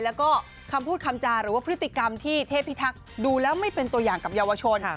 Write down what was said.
แล้วก็คำพูดคำจาหรือว่าพฤติกรรมที่เทพิทักษ์ดูแล้วไม่เป็นตัวอย่างกับเยาวชน